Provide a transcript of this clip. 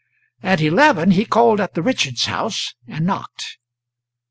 At eleven he called at the Richards' house and knocked.